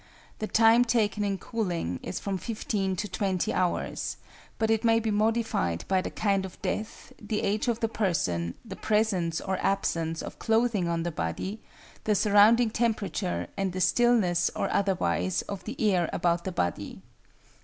The time taken in cooling is from fifteen to twenty hours, but it may be modified by the kind of death, the age of the person, the presence or absence of clothing on the body, the surrounding temperature, and the stillness or otherwise of the air about the body.